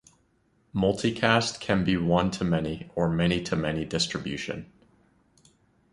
Multicast can be one-to-many or many-to-many distribution.